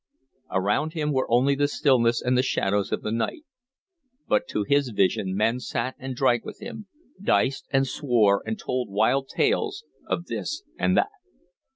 Around him were only the stillness and the shadows of the night, but to his vision men sat and drank with him, diced and swore and told wild tales of this or that.